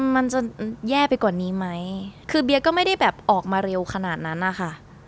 มันจะแย่ไปกว่านี้ไหมคือเบียร์ก็ไม่ได้แบบออกมาเร็วขนาดนั้นนะคะ